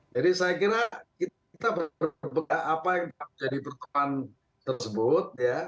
jadi saya kira kita berbeka apa yang akan jadi pertemuan tersebut ya